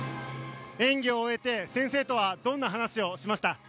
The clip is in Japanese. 演技を終えて先生とはどんな話をしました？